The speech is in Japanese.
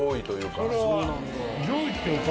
それは上位っていうか。